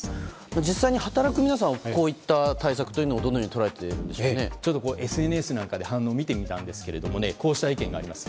実際に働く皆さんはこうした対策をＳＮＳなどで反応を見てみたんですがこうした意見があります。